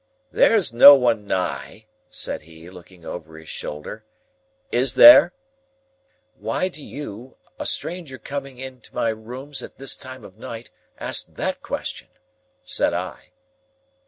"There's no one nigh," said he, looking over his shoulder; "is there?" "Why do you, a stranger coming into my rooms at this time of the night, ask that question?" said I.